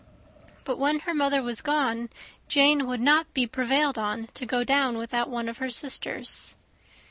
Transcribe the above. But when her mother was gone, Jane would not be prevailed on to go down without one of her sisters.